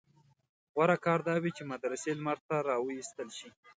غوره کار دا وي چې مدرسې لمر ته راوایستل شي.